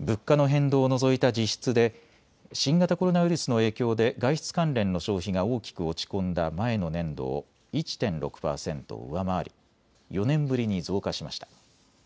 物価の変動を除いた実質で新型コロナウイルスの影響で外出関連の消費が大きく落ち込んだ前の年度を１．６％上回り４年ぶりに増加しました。